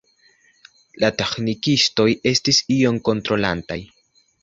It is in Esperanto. La teĥnikistoj estis ion kontrolantaj.